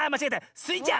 スイちゃん！